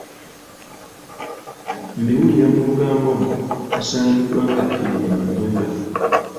Mbiwulira mu lugambo mbu yasangiddwa nga afiridde mu nnyumba.